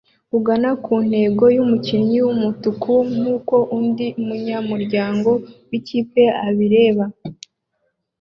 ugana kuntego yumukinnyi wumutuku nkuko undi munyamuryango wikipe abireba